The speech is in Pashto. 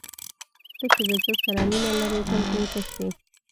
ته چې د څه سره مینه لرې تل ترې تښتې.